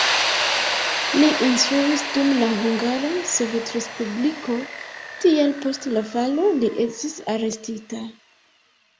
Li instruis dum la Hungara Sovetrespubliko, tial post la falo li estis arestita.